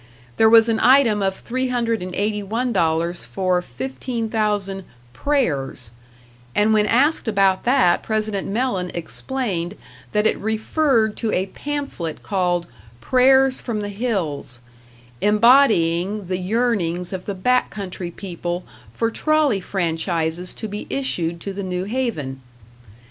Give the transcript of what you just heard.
There was an item of $381 for 15,000 "Prayers"; and when asked about that President Mellen explained that it referred to a pamphlet called "Prayers from the Hills", embodying the yearnings of the back country people for trolley franchises to be issued to the New Haven.